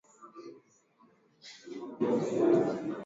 Baadhi ya waasi hao walirudi kwa hiari